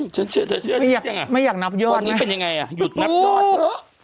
ฉันเชื่อฉันเชื่อไม่อยากไม่อยากนับยอดไหมวันนี้เป็นยังไงอ่ะหยุดนับยอด